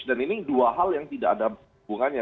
dan ini dua hal yang tidak ada hubungannya